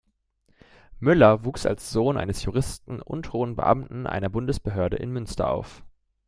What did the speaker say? Möller wuchs als Sohn eines Juristen und hohen Beamten einer Bundesbehörde in Münster auf.